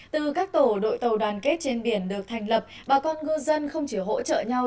từ các tổ đội tàu đoàn kết trên biển được thành lập bà con ngư dân không chỉ hỗ trợ nhau